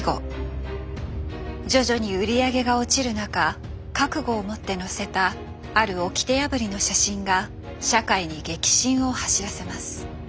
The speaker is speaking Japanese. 徐々に売り上げが落ちる中覚悟を持って載せたある掟破りの写真が社会に激震を走らせます。